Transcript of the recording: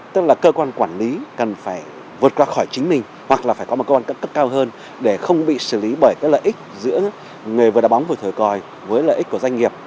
tức là cơ quan quản lý cần phải vượt qua khỏi chính mình hoặc là phải có một con cấp cao hơn để không bị xử lý bởi cái lợi ích giữa người vừa đá bóng vừa thổi còi với lợi ích của doanh nghiệp